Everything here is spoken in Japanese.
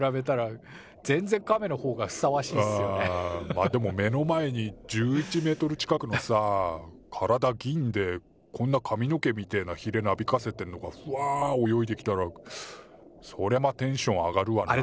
まあでも目の前に１１ｍ近くのさ体銀でこんなかみの毛みてえなヒレなびかせてんのがふわ泳いできたらそりゃまあテンション上がるわな。